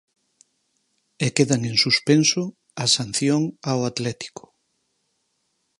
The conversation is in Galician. E quedan en suspenso a sanción ao Atlético.